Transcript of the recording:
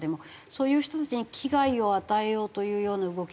そういう人たちに危害を与えようというような動きというのは。